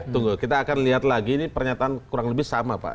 tunggu kita akan lihat lagi ini pernyataan kurang lebih sama pak